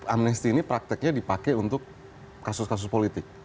amnesti ini prakteknya dipakai untuk kasus kasus politik